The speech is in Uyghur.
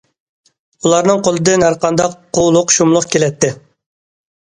ئۇلارنىڭ قولىدىن ھەر قانداق قۇۋلۇق- شۇملۇق كېلەتتى.